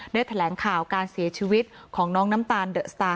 แถลงข่าวการเสียชีวิตของน้องน้ำตาลเดอะสตาร์